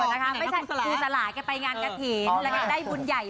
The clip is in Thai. นะคะไม่ใช่ครูสาหาเอกไปงานกฏทินแล้วก็ได้บุญใหญ่